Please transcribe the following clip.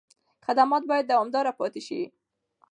خدمت باید دوامداره پاتې شي.